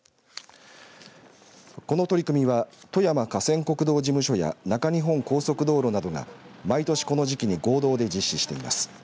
この取り組みは富山河川国道事務所や中日本高速道路などが毎年この時期に合同で実施しています。